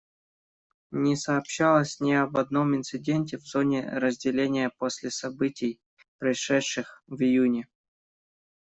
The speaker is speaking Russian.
Не сообщалось ни об одном инциденте в зоне разделения после событий, произошедших в июне.